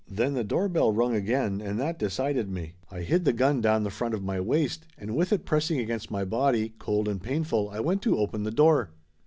Then the doorbell rung again, and that decided me. I hid the gun down the front of my waist, and with it pressing against my body, cold and painful, I went to open the door.